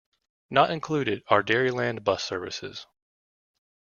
Not included are Dairyland Bus services.